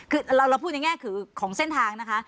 คือเราพูดในแง่คือของเส้นทางนะคะ